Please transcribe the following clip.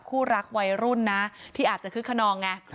คู่รักวัยรุ่นนะที่อาจจะคึกขนองไง